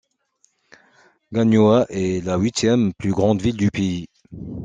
Gagnoa est la huitième plus grande ville du pays.